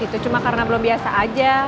itu cuma karena belum biasa aja